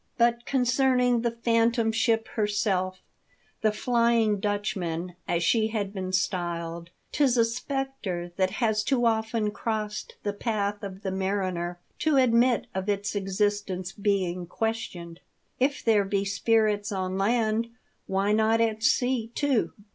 But concerning the Phantom Ship herself — the Flying Dutchman as she has been styled — 'tis a spectre that has too often crossed the path of the mariner to admit of its existence being questioned. If there be spirits, on land, why not at sea, too